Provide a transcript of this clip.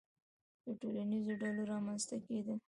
• د ټولنیزو ډلو رامنځته کېدل.